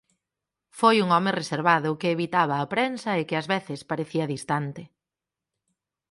Foi un home reservado que evitaba á prensa e que ás veces parecía distante.